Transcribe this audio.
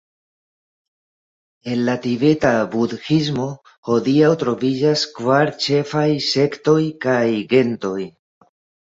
En la tibeta budhismo hodiaŭ troviĝas kvar ĉefaj sektoj kaj gentoj.